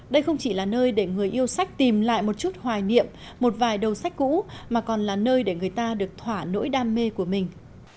đây không chỉ là nơi để người yêu sách tìm lại một chút hoài niệm một vài đầu sách cũ mà còn là nơi để người ta được thỏa nỗi đam mê của mình